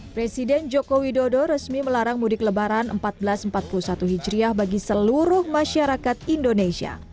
presiden joko widodo resmi melarang mudik lebaran seribu empat ratus empat puluh satu hijriah bagi seluruh masyarakat indonesia